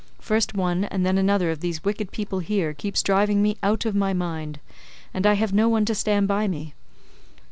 First one and then another of these wicked people here keeps driving me out of my mind, and I have no one to stand by me.